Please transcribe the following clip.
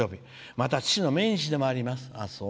また父の命日でもあります」。